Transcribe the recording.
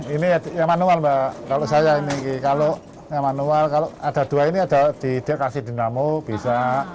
ini yang manual mbak kalau saya ini kalau yang manual kalau ada dua ini ada dia kasih dinamo bisa